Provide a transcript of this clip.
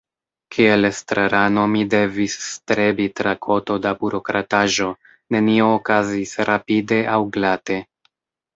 Kiel estrarano mi devis strebi tra koto da burokrataĵo, nenio okazis rapide aŭ glate.